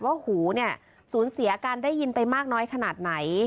หูเนี่ยสูญเสียการได้ยินไปมากน้อยขนาดไหน